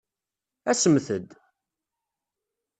Asemt-d!